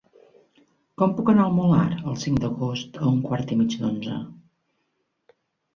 Com puc anar al Molar el cinc d'agost a un quart i mig d'onze?